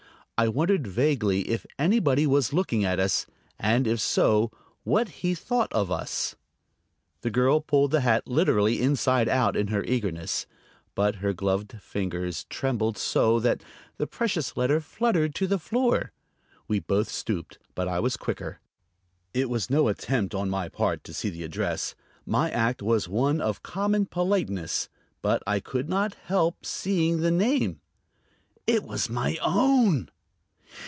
I wondered vaguely if anybody was looking at us, and, if so, what he thought of us. The girl pulled the hat literally inside out in her eagerness; but her gloved fingers trembled so that the precious letter fluttered to the floor. We both stooped, but I was quicker. It was no attempt on my part to see the address; my act was one of common politeness. But I could not help seeing the name. It was my own!